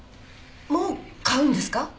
もう買うんですか？